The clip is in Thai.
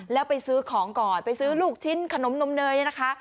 แล้วไปซื้อของก่อนไปซื้อลูกชิ้นขนมนมเนยเนี่ยนะคะ